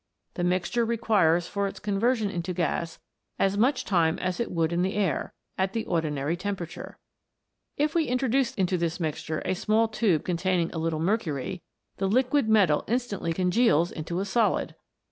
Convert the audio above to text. The mixture requires for its con version into gas as much time as it would in the air at the ordinary temperature. If we introduce into this mixture a small tube containing a little mercury, the liquid metal instantly congeals into a solid